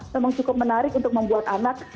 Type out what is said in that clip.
memang cukup menarik untuk membuat anak